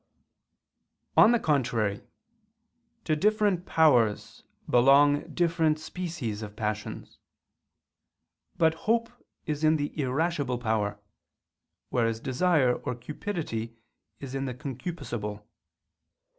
On the contrary, To different powers belong different species of passions. But hope is in the irascible power; whereas desire or cupidity is in the concupiscible.